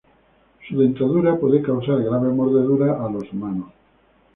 Su dentadura puede causar graves mordeduras a los humanos.